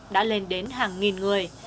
đã lên đến hàng nghìn người